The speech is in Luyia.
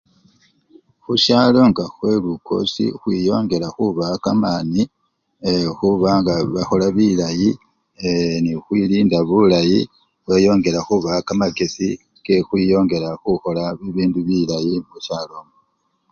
Khusyalo nga khwelukosi khwiyongela khubawa kamani ee! khubanga bakhola bilayi ee! nekhukhwilinda bulayi nebeyongela khubawa kamakesi kekhukhwiyongela khukhola bibindu bilayi khusyalo okhwo.